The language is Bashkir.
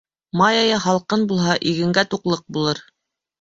Май айы һалҡын булһа, игенгә туҡлыҡ булыр